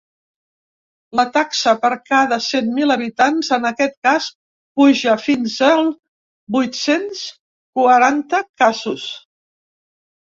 La taxa per cada cent mil habitants, en aquest cas, puja fins al vuit-cents quaranta casos.